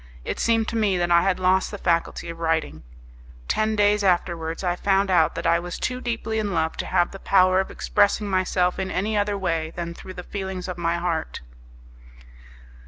It seemed to me that I had lost the faculty of writing. Ten days afterwards I found out that I was too deeply in love to have the power of expressing myself in any other way than through the feelings of my heart.